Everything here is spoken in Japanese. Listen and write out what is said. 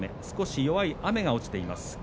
少し弱い雨が落ちています。